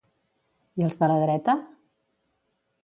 I els de la dreta?